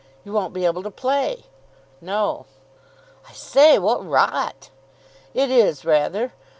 You won't be able to play!" "No." "I say, what rot!" "It is, rather.